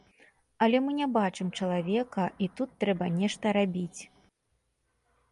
Але мы не бачым чалавека, і тут трэба нешта рабіць.